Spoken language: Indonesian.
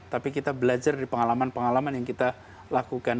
tapi kita belajar dari pengalaman pengalaman yang kita lakukan